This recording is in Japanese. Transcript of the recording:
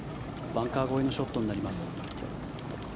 バンカー越えのショットになります。